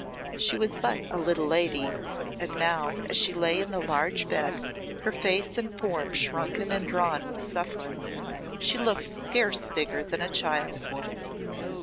She was but a little lady, and now, as she lay in the large bed, her face and form shrunken and drawn with suffering, she looked scarce bigger than a child.